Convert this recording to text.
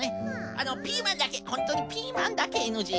あのピーマンだけほんとにピーマンだけＮＧなんですよ。